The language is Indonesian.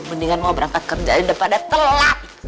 mendingan mau berantak kerjaan daripada telat